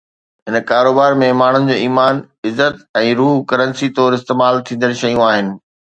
هن ڪاروبار ۾، ماڻهن جو ايمان، عزت ۽ روح ڪرنسي طور استعمال ٿيندڙ شيون آهن.